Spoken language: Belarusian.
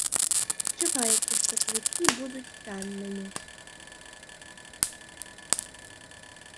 Чакаецца, што квіткі будуць таннымі.